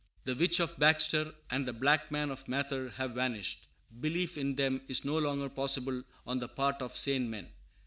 The witches of Baxter and "the black man" of Mather have vanished; belief in them is no longer possible on the part of sane men.